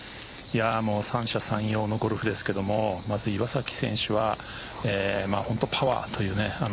三者三様のゴルフですけども岩崎選手はパワーという。